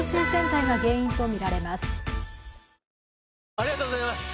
ありがとうございます！